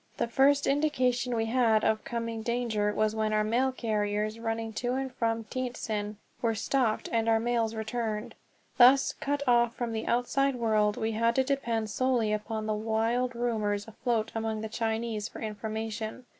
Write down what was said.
The first indication we had of coming danger was when our mail carriers running to and from Tientsin were stopped and our mails returned. Thus, cut off from the outside world, we had to depend solely upon the wild rumors afloat among the Chinese for information.